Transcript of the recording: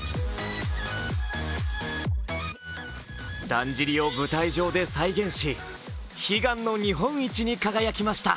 だんじりを舞台上で再現し悲願の日本一に輝きました。